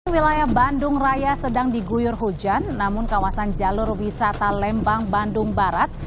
wilayah bandung raya sedang diguyur hujan namun kawasan jalur wisata lembang bandung barat